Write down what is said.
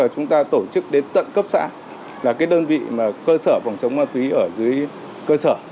chúng ta tổ chức đến tận cấp xã là cái đơn vị cơ sở phòng chống ma túy ở dưới cơ sở